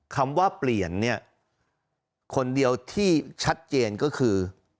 คำว่าเปลี่ยนเนี่ยคนเดียวที่ชัดเจนก็คือ